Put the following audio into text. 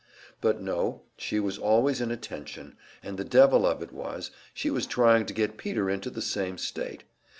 But no, she was always in a tension, and the devil of it was, she was trying to get Peter into the same state.